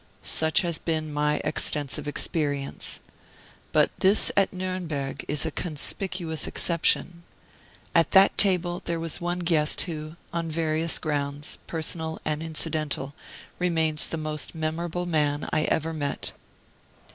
Such has been my extensive experience. But this at Nuremberg is a conspicuous exception. At that table there was one guest who, on various grounds, personal and incidental, remains the most memorable man I ever met.